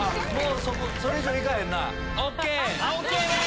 それ以上行かへんな。